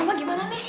aduh rahma gimana nih